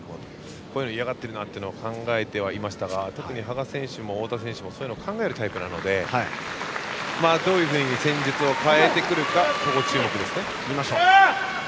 こういうの嫌がっているなと考えてはいましたが特に羽賀選手も太田選手もそういうのを考えるタイプなのでどういうふうに戦術を変えてくるか、注目ですね。